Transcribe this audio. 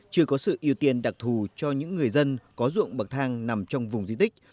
chưa có sự ưu tiên đặc thù cho những người dân có ruộng bậc thang nằm trong vùng di tích